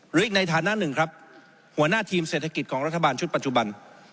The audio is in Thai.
หรืออีกในฐานะหนึ่งครับหัวหน้าทีมเศรษฐกิจของรัฐบาลชุดปัจจุบัน